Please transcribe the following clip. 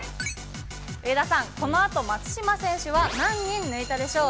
上田さん、このあと、松島選手は何人抜いたでしょう？